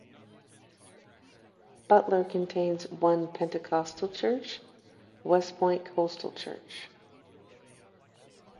Butler contains one Pentecostal church, Westpoint Coastal Church.